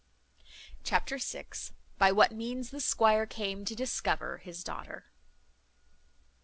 Chapter vi. By what means the squire came to discover his daughter.